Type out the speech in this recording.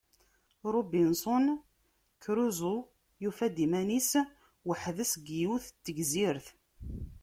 Robinson Crusoe yufa-d iman-is weḥd-s deg yiwet n tegzirt.